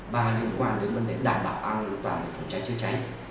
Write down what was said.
ba liên quan đến vấn đề đảm bảo an toàn để phòng cháy chưa cháy